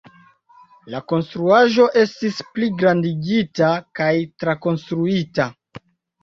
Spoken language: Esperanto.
La konstruaĵo estis pligrandigita kaj trakonstruita.